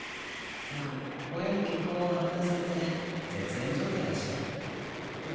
僕親に結婚を反対されて絶縁状態だしね。